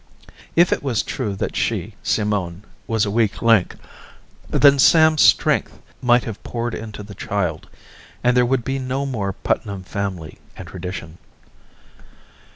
If it was true that she, Simone, was a weak link, then Sam's strength might have poured into the child, and there would be no more Putnam family and tradition.